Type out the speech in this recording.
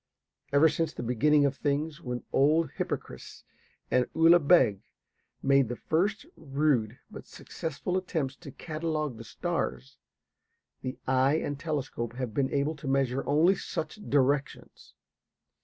Ever since the beginning of things, when old Hipparchus and Ulugh Beg made the first rude but successful attempts to catalogue the stars, the eye and telescope have been able to measure only such directions.